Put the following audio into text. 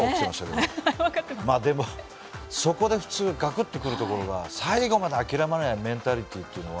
そこで普通ガクッとくるところが最後まで諦めないメンタリティーというのが。